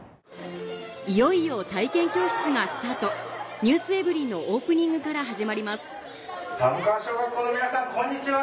いよいよ『ｎｅｗｓｅｖｅｒｙ．』のオープニングから始まります寒川小学校の皆さんこんにちは！